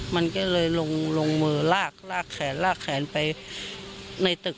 มันก็เลยลงลงมือลากลากแขนลากแขนไปในตึก